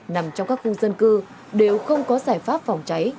nằm trong các khu dân cư đều không có giải pháp phòng cháy